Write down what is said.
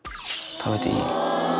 食べていい。